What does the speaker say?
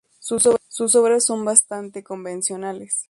Sus obras son bastante convencionales.